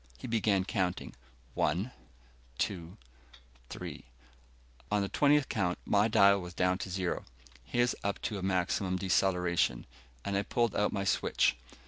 He began counting, "One, two, three ..." On the twentieth count, my dial was down to zero, his up to maximum deceleration, and I pulled out my switch.